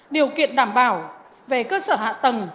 điều kiện đảm bảo về cơ sở hạ tầng